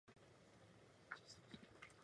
He used to be mayor of the town of Cannes.